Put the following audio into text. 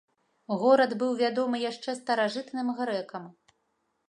Горад быў вядомы яшчэ старажытным грэкам.